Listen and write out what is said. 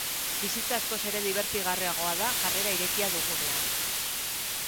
Bizitza askoz ere dibertigarriagoa da jarrera irekia dugunean.